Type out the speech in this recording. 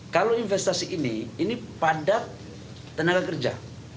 kalau investasi ini ini padat tenaga kerja